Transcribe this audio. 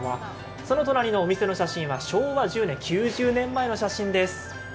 その隣のお店の写真は昭和１０年９０年前の写真です。